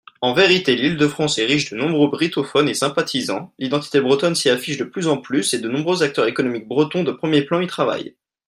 En vérité, l’Île-de-France est riche de nombreux brittophones et sympathisants ; l’identité bretonne s’y affiche de plus en plus et de nombreux acteurs économiques bretons de premiers plans y travaillent.